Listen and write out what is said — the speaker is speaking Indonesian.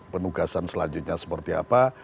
penugasan selanjutnya seperti apa